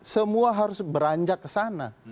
semua harus beranjak ke sana